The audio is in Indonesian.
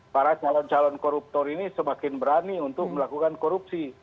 para calon calon koruptor ini semakin berani untuk melakukan korupsi